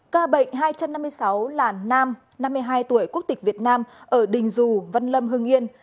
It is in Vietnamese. ca bệnh hai trăm năm mươi sáu là nam năm mươi hai tuổi quốc tịch việt nam ở đình dù văn lâm hưng yên